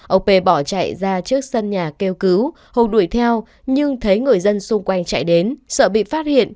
ông p bỏ chạy ra trước sân nhà kêu cứu hùng đuổi theo nhưng thấy người dân xung quanh chạy đến sợ bị phát hiện